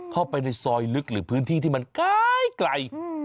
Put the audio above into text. เข้าไปในซอยลึกหรือพื้นที่ที่มันไกล